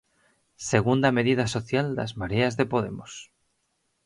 Segunda medida social das mareas de Podemos.